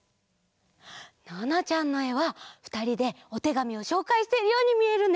ななちゃんのえはふたりでおてがみをしょうかいしているようにみえるね！